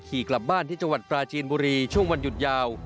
กลับบ้านที่จังหวัดปราจีนบุรีช่วงวันหยุดยาว